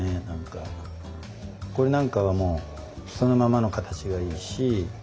これなんかはもうそのままの形がいいし。